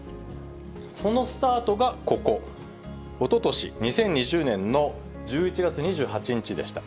そのスタートがここ、おととし・２０２０年の１１月２８日でした。